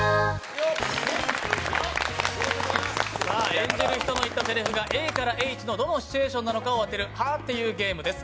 演じる人の言ったせりふがＡＨのどのシチュエーションなのかを当てる「はぁって言うゲーム」です。